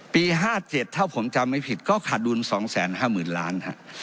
๕๗ถ้าผมจำไม่ผิดก็ขาดดุล๒๕๐๐๐ล้าน